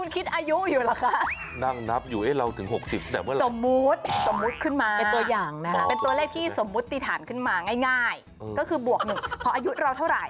ก็คือบวกหนึ่งเพราะอายุเราเท่าไหร่